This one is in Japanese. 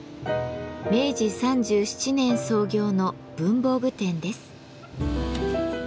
明治３７年創業の文房具店です。